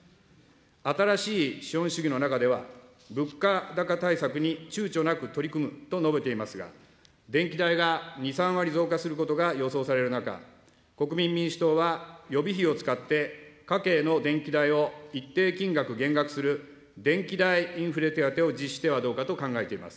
新しい資本主義の中では、物価高対策にちゅうちょなく取り組むと述べていますが、電気代が２、３割増加することが予想される中、国民民主党は予備費を使って、家計の電気代を一定金額減額する電気代インフレ手当を実施してはどうかと考えています。